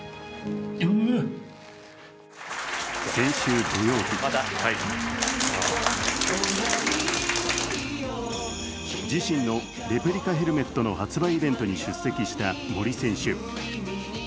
先週土曜日自身のレプリカヘルメットの発売イベントに出席した森選手。